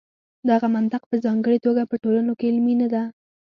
دغه منطق په ځانګړې توګه په ټولنو کې عملي نه برېښي.